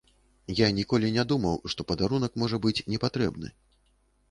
Я ніколі не думаў, што падарунак можа быць не патрэбны.